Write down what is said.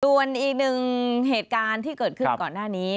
ส่วนอีกหนึ่งเหตุการณ์ที่เกิดขึ้นก่อนหน้านี้